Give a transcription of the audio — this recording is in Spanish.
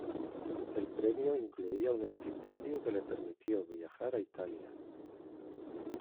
El premio incluía un estipendio que le permitió viajar a Italia.